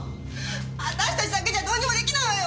私たちだけじゃどうにも出来ないわよ！